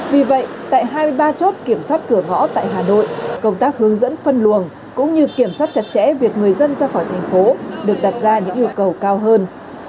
vì vậy tại hai mươi ba chốt kiểm soát cửa ngõ tại hà nội công tác hướng dẫn phân luồng cũng như kiểm soát chặt chẽ việc người dân ra khỏi thành phố được đặt ra những yêu cầu cao hơn